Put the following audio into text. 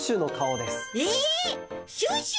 えシュッシュ！？